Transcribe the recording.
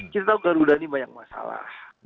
kita tahu garuda ini banyak masalah